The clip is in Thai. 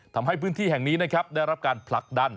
ทำให้พื้นที่แห่งนี้นะครับได้รับการผลักดัน